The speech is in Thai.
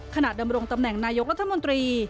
ดำรงตำแหน่งนายกรัฐมนตรี